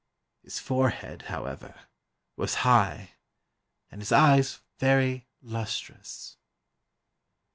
His forehead, however, was high and his eyes very lustrous."